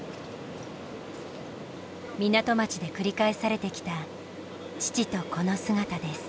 港町で繰り返されてきた父と子の姿です。